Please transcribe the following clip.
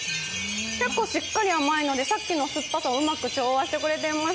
結構しっかり甘いので、さっきの酸っぱさをうまく調節してくれます。